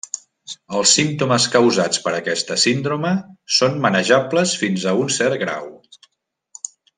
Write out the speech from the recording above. Els símptomes causats per aquesta síndrome són manejables fins a un cert grau.